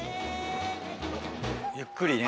ゆっくりね。